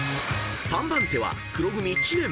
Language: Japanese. ［３番手は黒組知念］